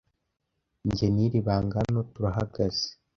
Njye n'iri banga hano turahagaze.